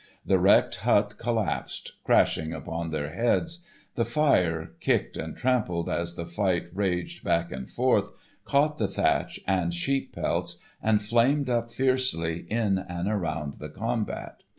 The wrecked hut collapsed, crashing upon their heads; the fire, kicked and trampled as the fight raged back and forth, caught the thatch and sheep pelts, and flamed up fiercely in and around the combat.